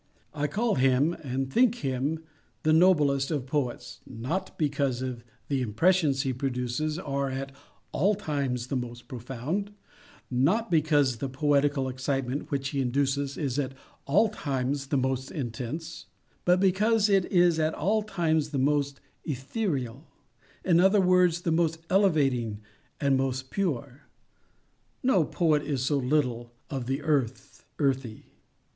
I call him, and _think _him the noblest of poets, _not _because the impressions he produces are at _all _times the most profound—_not _because the poetical excitement which he induces is at _all _times the most intense—but because it is at all times the most ethereal—in other words, the most elevating and most pure. No poet is so little of the earth, earthy.